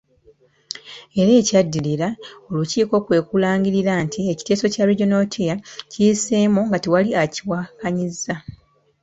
Era ekyaddirira, olukiiko kwekulangirira nti ekiteeso kya Regional Tier kiyiseemu nga tewali akiwakannyiza.